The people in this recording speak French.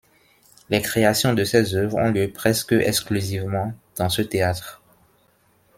Les créations de ses œuvres ont lieu presque exclusivement dans ce théâtre.